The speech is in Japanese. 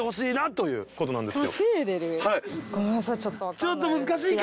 ちょっと難しいか。